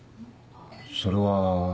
それは。